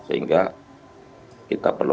sehingga kita perlu